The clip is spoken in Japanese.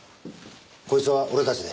こいつは俺たちで。